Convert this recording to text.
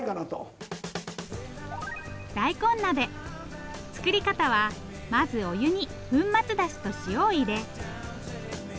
大根鍋作り方はまずお湯に粉末だしと塩を入れ。